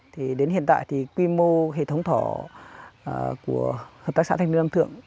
thì đến hiện tại thì quy mô hệ thống thỏ của hợp tác xã thanh niên lâm thượng